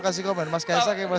kasih komen kasih komen